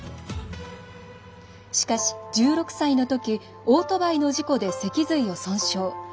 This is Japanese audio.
しかし、１６歳のときオートバイの事故で脊髄を損傷。